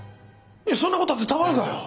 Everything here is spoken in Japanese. そんなことがあってたまるかよ！